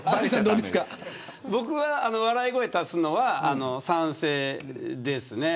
僕は笑い声を足すのは賛成です